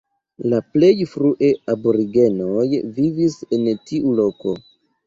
La plej frue aborigenoj vivis en tiu loko.